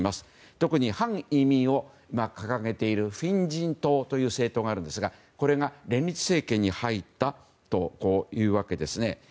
特に反移民を掲げているフィン人党という政党があるんですが連立政権に入ったというわけですね。